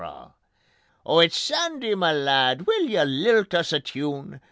Oh, it's: "Sandy, ma lad, will you lilt us a tune?"